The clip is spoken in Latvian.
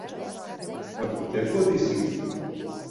Varbūt iekodīsim?